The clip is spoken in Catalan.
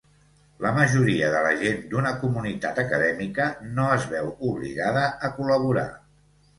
La majoria de la gent d'una comunitat acadèmica no es veu obligada a col·laborar.